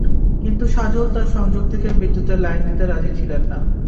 কিন্তু সাজল তাঁর সংযোগ থেকে বিদ্যুতের লাইন দিতে রাজি ছিলেন না।